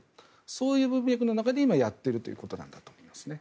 そういう文脈の中で今、やっているということなんだと思いますね。